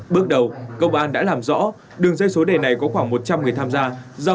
bước đầu công an đã làm rõ đường dây số đề này có khoảng một trăm linh người tham gia